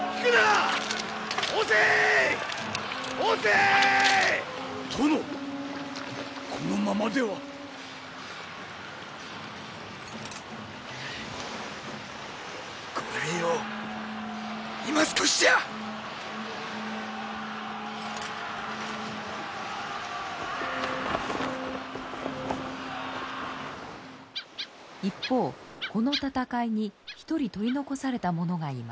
一方この戦いに一人取り残された者がいます。